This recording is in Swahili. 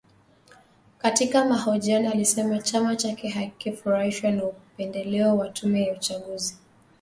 Katika mahojiano alisema chama chake hakijafurahishwa na upendeleo wa tume ya uchaguzi